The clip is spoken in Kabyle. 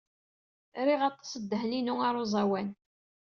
Rriɣ aṭas ddehn-inu ɣer uẓawan.